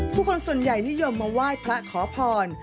คนส่วนใหญ่นิยมมาไหว้พระขอพร